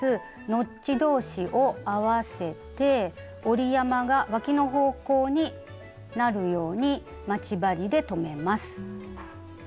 ノッチ同士を合わせて折り山がわきの方向になるように待ち針で留めます。